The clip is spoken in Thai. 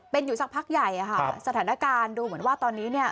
เป็นอยู่สักพักใหญ่อะค่ะสถานการณ์ดูเหมือนว่าตอนนี้เนี่ย